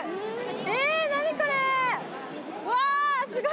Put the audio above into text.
えっ何これ！